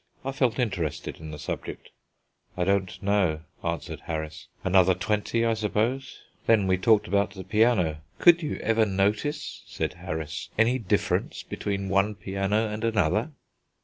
I felt interested in the subject. "I don't know," answered Harris; "another twenty, I suppose. Then we talked about the piano. Could you ever notice," said Harris, "any difference between one piano and another?"